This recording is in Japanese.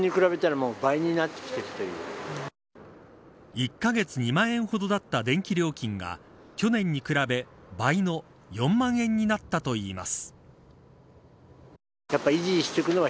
１カ月２万円ほどだった電気料金が去年に比べ倍の４万円になったといいます。